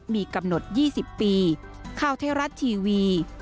มีกำหนด๒๐ปี